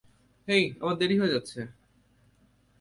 হেই আমার দেরি হয়ে যাচ্ছে।